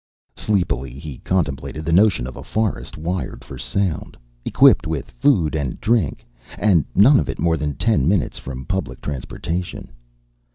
Sleepily he contemplated the notion of a forest wired for sound, equipped with food and drink, and none of it more than ten minutes from public transportation.